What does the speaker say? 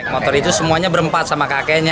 motor itu semuanya berempat sama kakeknya